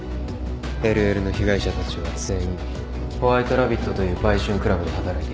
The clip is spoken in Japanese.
ＬＬの被害者たちは全員ホワイトラビットという売春クラブで働いていた。